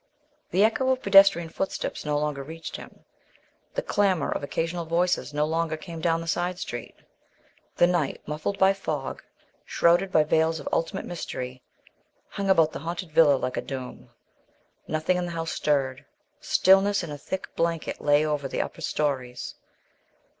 The echo of pedestrian footsteps no longer reached him, the clamour of occasional voices no longer came down the side street. The night, muffled by fog, shrouded by veils of ultimate mystery, hung about the haunted villa like a doom. Nothing in the house stirred. Stillness, in a thick blanket, lay over the upper storeys.